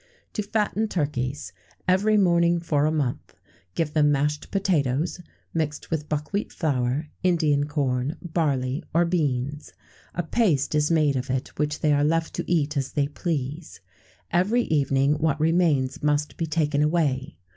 To fatten turkeys every morning, for a month, give them mashed potatoes, mixed with buck wheat flour, Indian corn, barley, or beans; a paste is made of it which they are left to eat as they please. Every evening what remains must be taken away.